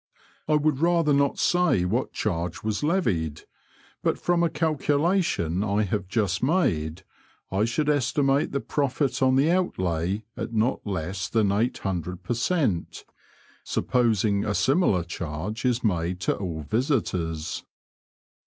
I would rather not say what chaige ^as levied, but from a calculation I have just made, I should estimate the profit on the outlay at not less than 800 per •cent., supposing a similar charge is made to all visitors.